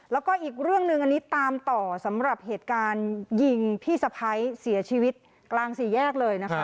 แล้วก็อีกเรื่องหนึ่งอันนี้ตามต่อสำหรับเหตุการณ์ยิงพี่สะพ้ายเสียชีวิตกลางสี่แยกเลยนะคะ